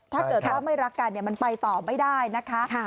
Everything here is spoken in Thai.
ถ้าเกิดว่าไม่รักกันมันไปต่อไม่ได้นะคะ